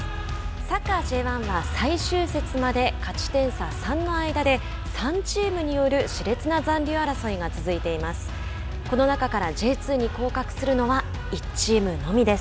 サッカーＪ１は最終節まで勝ち点差３の間で３チームによるしれつな残留争いが続いています。